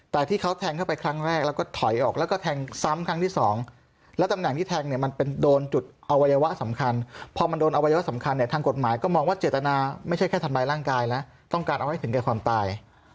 แต่ที่เขาแทงเข้าไปครั้งแรกแล้วก็ถอยออกแล้วก็แทงซ้ำครั้งที่สองแล้วตำแหน่งที่แทงเนี่ยมันเป็นโดนจุดอวัยวะสำคัญพอมันโดนอวัยวะสำคัญเนี่ยทางกฎหมายก็มองว่าเจตนาไม่ใช่แค่ทำร้ายร่างกายนะต้องการเอาให้ถึงแก่ความตาย